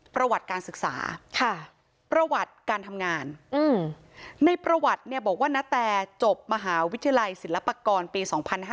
ประวัติการศึกษาประวัติการทำงานในประวัติเนี่ยบอกว่านาแตจบมหาวิทยาลัยศิลปากรปี๒๕๕๙